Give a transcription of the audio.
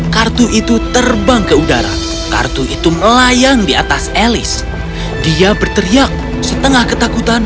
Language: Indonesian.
kartu itu terbang ke udara kartu itu melayang di atas elis dia berteriak setengah ketakutan